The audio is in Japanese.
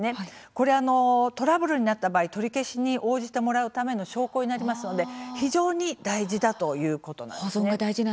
これはトラブルになった場合取り消しに応じてもらうための証拠になりますので非常に大事だということです。